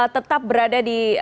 tetap berada di